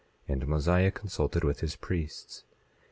And Mosiah consulted with his priests.